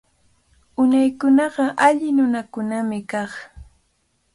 Unaykunaqa alli nunakunami kaq.